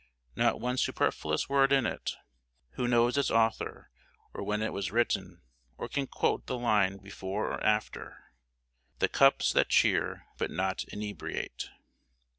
Not one superfluous word in it! Who knows its author, or when it was written, or can quote the line before or after "the cups That cheer, but not inebriate"?